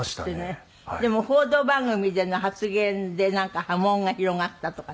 でも報道番組での発言でなんか波紋が広がったとか。